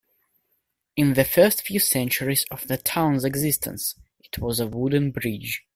In the first few centuries of the town's existence, it was a wooden bridge.